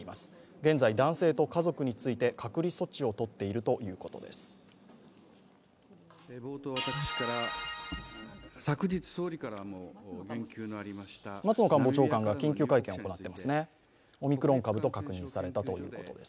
現在、男性と家族について、隔離措置を取っているということです。